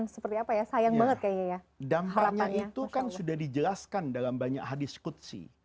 saya ingin berbicara